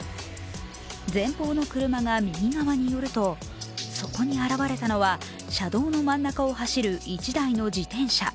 前方の車が右側に寄ると、そこに現れたのは車道の真ん中を走る１台の自転車。